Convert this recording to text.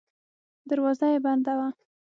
دروازه یې بنده وه.